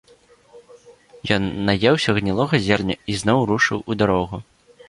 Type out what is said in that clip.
Ён наеўся гнілога зерня і зноў рушыў у дарогу.